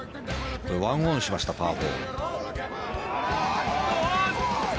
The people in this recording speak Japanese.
１オンしました、パー４。